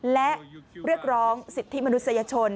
และเรียกร้องสิทธิมนุษยชน